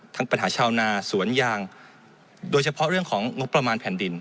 ปัญหาชาวนาสวนยางโดยเฉพาะเรื่องของงบประมาณแผ่นดิน